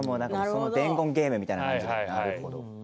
伝言ゲームみたいな感じ。